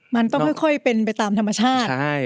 มันต้องค่อยเป็นไปตามธรรมชาติ